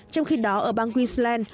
trong khi đó ở bang queensland